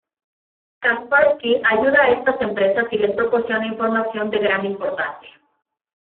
Kaspersky ayuda a estas empresas y les proporciona información de gran importancia.